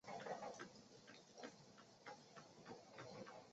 其市场地位也逐渐被消费电子展取代。